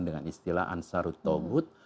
dengan istilah ansarut tawud